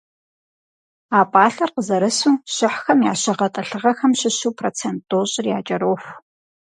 А пӀалъэр къызэрысу, щыхьхэм я щэ гъэтӏылъыгъэхэм щыщу процент тӀощӀыр якӀэроху.